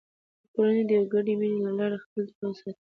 کورنۍ د یوې ګډې مینې له لارې خپل تړاو ساتي